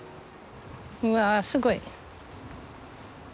うわすごい。